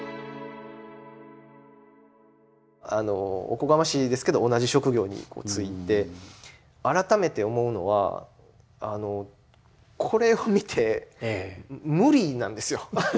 おこがましいですけど同じ職業に就いて改めて思うのはこれを見て無理なんですよ。